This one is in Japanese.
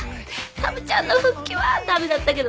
タブちゃんの復帰は駄目だったけど。